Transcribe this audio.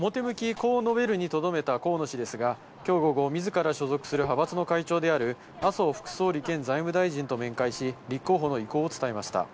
こう述べるにとどめた河野氏ですが、きょう午後、みずから所属する派閥の会長である麻生副総理兼財務大臣と面会し、立候補の意向を伝えました。